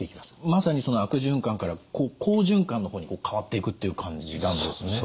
まさにその悪循環から好循環の方に変わっていくという感じなんですね。